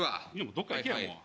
どっか行けよもう。